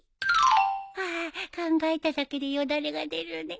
ハァ考えただけでよだれが出るね。